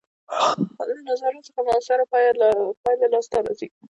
له نظارت څخه مؤثره پایله لاسته راځي.